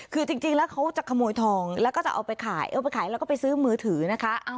คือจริงแล้วเขาจะขโมยทองแล้วก็จะเอาไปขายเอาไปขายแล้วก็ไปซื้อมือถือนะคะ